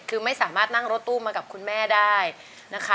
คือไม่สามารถนั่งรถตู้มากับคุณแม่ได้นะคะ